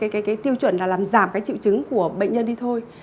cái tiêu chuẩn là làm giảm cái triệu chứng của bệnh nhân đi thôi